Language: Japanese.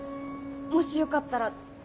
もしよかったら私と。